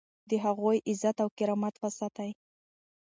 د هغوی عزت او کرامت وساتئ.